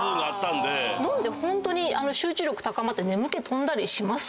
飲んでホントに集中力高まって眠気飛んだりしますか？